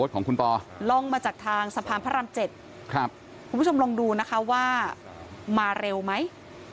ของคุณปอล่องมาจากทางสะพานพระราม๗คุณผู้ชมลองดูนะคะว่ามาเร็วไหม